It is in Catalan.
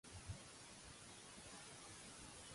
L'estació de tren més propera es troba a Malchow.